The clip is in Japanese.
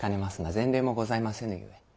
前例もございませぬゆえ。